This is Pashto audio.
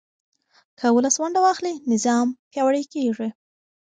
که ولس ونډه واخلي، نظام پیاوړی کېږي.